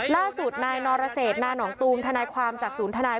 ล่าสุดนายนรเศษนานองตูมทนายความจากศูนย์ทนาย